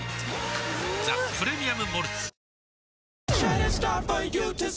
「ザ・プレミアム・モルツ」